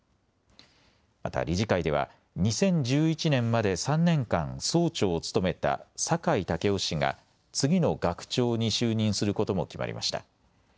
また理事会では２０１１年まで３年間、総長を務めた酒井健夫氏が次の学長に就任することも決まりました。